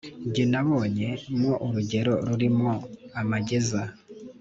Jye nabonye mwo urugero ruri mwo amageza,